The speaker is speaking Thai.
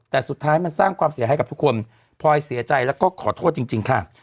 แต่สุดท้ายมันสร้างความเสียให้กับทุกคนพลอยเสียใจแล้วก็ขอโทษจริงค่ะ